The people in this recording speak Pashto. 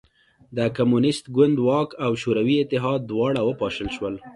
د کمونېست ګوند واک او شوروي اتحاد دواړه وپاشل شول